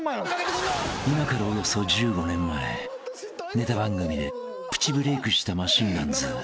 ［今からおよそ１５年前ネタ番組でプチブレークしたマシンガンズ］